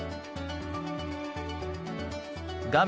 画面